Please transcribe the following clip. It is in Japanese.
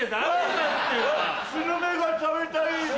スルメが食べたいんじゃ。